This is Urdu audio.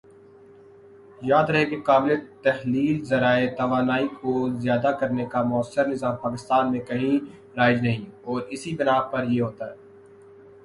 یاد رہے کہ قابلِ تحلیل ذرائع توانائی کو ذیادہ کرنے کا مؤثر نظام پاکستان میں کہیں رائج نہیں اور اسی بنا پر یہ ہوتا ہے